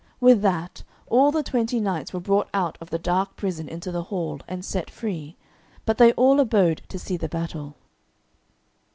With that all the twenty knights were brought out of the dark prison into the hall, and set free, but they all abode to see the battle.